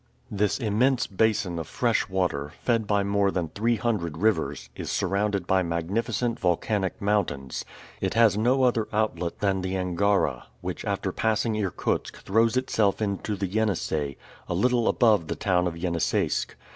This immense basin of fresh water, fed by more than three hundred rivers, is surrounded by magnificent volcanic mountains. It has no other outlet than the Angara, which after passing Irkutsk throws itself into the Yenisei, a little above the town of Yeniseisk.